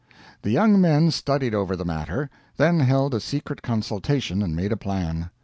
The young men studied over the matter, then held a secret consultation and made a plan.